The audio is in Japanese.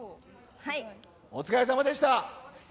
お疲れさまでした。